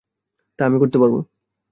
তা আমি করতে পারবো।